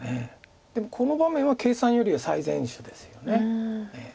でもこの場面は計算よりは最善手ですよね。